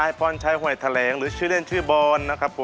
ก็เป็นแห่งชาติเลยนะครับ